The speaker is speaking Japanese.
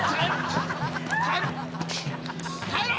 耐えろ！